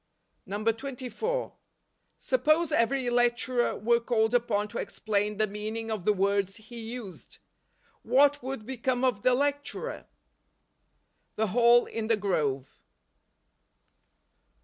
24. Suppose every lecturer were called upon to explain the meaning of the words he used! What would become of the lec¬ turer ? The Hall in the Grove.